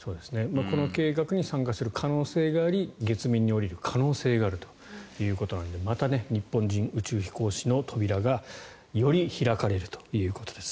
この計画に参加する可能性があり月面に降りる可能性があるということなのでまた日本人宇宙飛行士の扉がより開かれるということです。